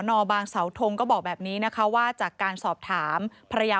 อบางเสาทงก็บอกแบบนี้นะคะว่าจากการสอบถามภรรยา